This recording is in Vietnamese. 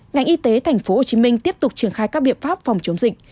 ngành y tế tp hcm tiếp tục triển khai các biện pháp phòng chống dịch